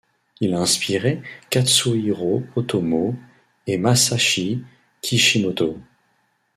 Il a inspiré Katsuhiro Otomo et Masashi Kishimoto.